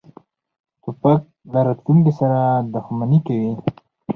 توپک له راتلونکې سره دښمني کوي.